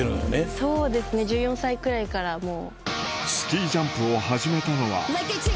そうですね１４歳くらいからもう。